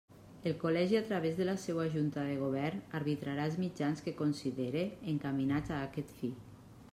El Col·legi a través de la seua Junta de Govern, arbitrarà els mitjans que considere encaminats a aquest fi.